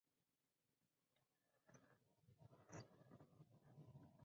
It was constructed on the site of the former ‘Shoulder of Mutton Inn’.